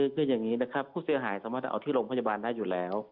คืออย่างนี้นะครับผู้เสียหายสามารถเอาที่โรงพยาบาลได้อยู่แล้ว